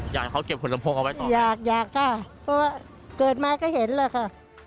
อยากค่ะเพราะว่าเกิดมาก็เห็นแล้วค่ะ